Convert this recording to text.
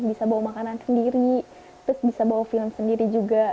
bisa bawa makanan sendiri terus bisa bawa film sendiri juga